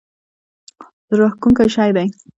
زړه راښکونکی شی دی.